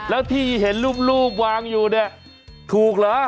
แล้วที่เห็นรูปวางอยู่เนี่ยถูกเหรอ